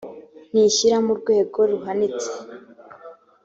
ntishyira mu rwego ruhanitse